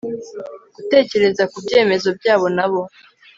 gutekereza ku byemezo byabo na bo